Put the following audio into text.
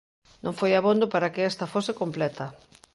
Non foi abondo para que esta fose completa.